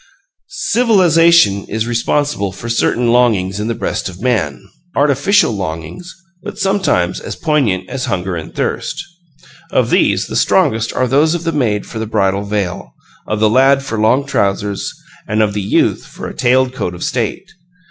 ... Civilization is responsible for certain longings in the breast of man artificial longings, but sometimes as poignant as hunger and thirst. Of these the strongest are those of the maid for the bridal veil, of the lad for long trousers, and of the youth for a tailed coat of state.